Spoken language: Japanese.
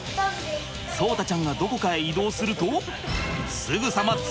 聡太ちゃんがどこかへ移動するとすぐさま追跡！